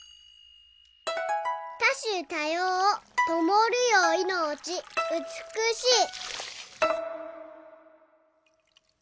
「たしゅたようともるよいのちうつくしい」。